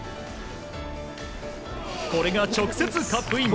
これが直接カップイン。